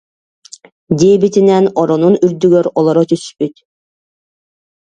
» диэбитинэн оронун үрдүгэр олоро түспүт